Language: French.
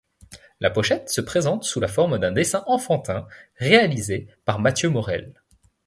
La pochette se présente sous la forme d'un dessin enfantin, réalisé par Mathieu Morelle.